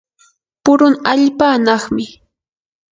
purun allpa anaqmi.